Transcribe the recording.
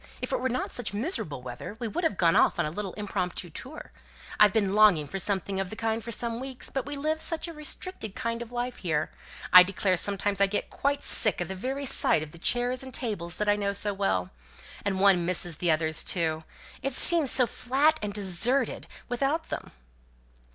If it were not such miserable weather we would have gone off on a little impromptu tour. I've been longing for something of the kind for some weeks; but we live such a restricted kind of life here! I declare sometimes I get quite sick of the very sight of the chairs and tables that I know so well. And one misses the others too! It seems so flat and deserted without them!"